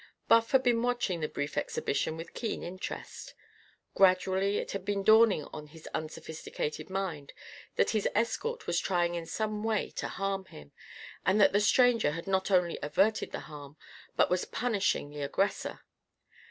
Buff had been watching the brief exhibition with keen interest. Gradually it had been dawning on his unsophisticated mind that his escort was trying in some way to harm him, and that the stranger had not only averted the harm, but was punishing the aggressor.